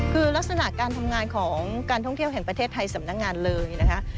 คือลักษณะการทำงานของการท่องเที่ยวแห่งประเทศไทยสำนักงานเลยนะคะ